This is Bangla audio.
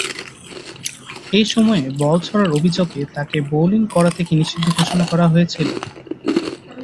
এ সময়ে বল ছোঁড়ার অভিযোগে তাকে বোলিং করা থেকে নিষিদ্ধ ঘোষণা করা হয়েছিল।